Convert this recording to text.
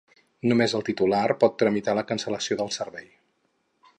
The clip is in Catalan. Només el titular pot tramitar la cancel·lació del servei.